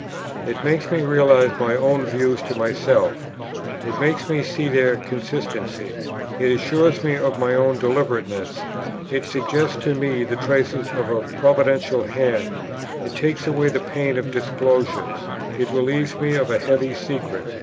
It makes me realize my own views to myself; it makes me see their consistency; it assures me of my own deliberateness; it suggests to me the traces of a Providential Hand; it takes away the pain of disclosures; it relieves me of a heavy secret.